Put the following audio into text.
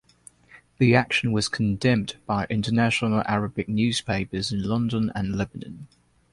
The action was condemned by international Arabic newspapers in London and Lebanon.